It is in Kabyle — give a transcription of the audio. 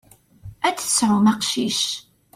Ad d-tesɛum aqcic.